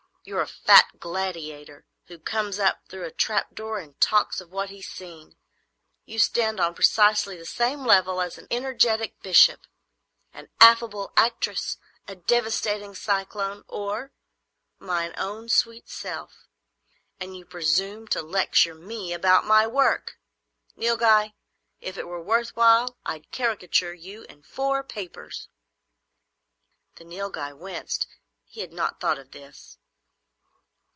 You're a fat gladiator who comes up through a trap door and talks of what he's seen. You stand on precisely the same level as an energetic bishop, an affable actress, a devastating cyclone, or—mine own sweet self. And you presume to lecture me about my work! Nilghai, if it were worth while I'd caricature you in four papers!" The Nilghai winced. He had not thought of this.